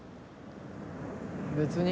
別に。